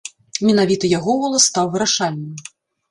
Менавіта яго голас стаў вырашальным.